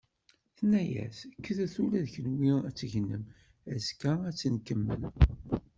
Tenna-as: "Kkret ula d kunwi ad tegnem, azekka ad tt-nkemmel."